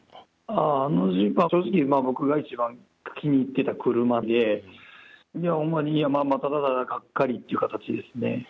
あのジープは正直、僕が一番気に入ってた車で、ほんまに、ただただがっかりという形ですね。